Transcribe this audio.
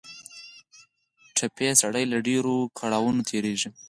ټپي سړی له ډېرو کړاوونو تېرېږي.